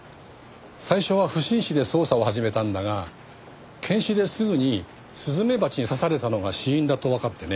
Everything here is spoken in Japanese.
最初は不審死で捜査を始めたんだが検視ですぐにスズメバチに刺されたのが死因だとわかってね。